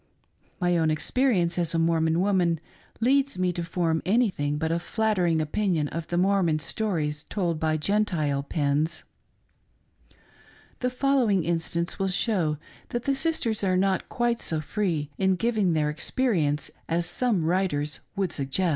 My own experience as a Mormon woman leads me to form any thing but a flattering opinion of the Mormon stories told by Gentile pens. The following instance will show that the sis ters are not quite so free in giving their experience as some writers would suggest.